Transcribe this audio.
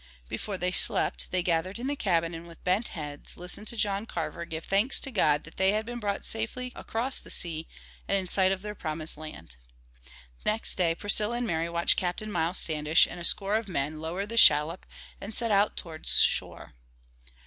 Before they slept they gathered in the cabin and with bent heads listened to John Carver give thanks to God that they had been brought safely across the sea and in sight of their promised land. Next day Priscilla and Mary watched Captain Miles Standish and a score of men lower the shallop and set out towards shore.